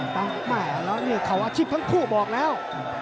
ผมอาชีพทั้งคู่บอกแล้ว